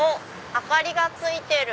明かりがついてる。